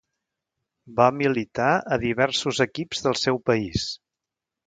Va militar a diversos equips del seu país.